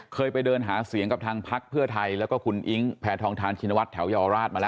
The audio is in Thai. เคยไปเดินหาเสียงกับทางพักเพื่อไทยแล้วก็คุณอิ๊งแพทองทานชินวัฒนแถวเยาวราชมาแล้ว